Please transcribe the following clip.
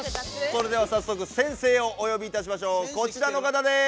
それではさっそく先生をおよびいたしましょう。こちらの方です！